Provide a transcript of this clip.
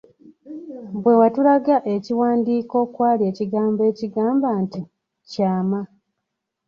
Bwe watulaga ekiwandiiko okwali ekigambo ekigamba nti “KYAMA”.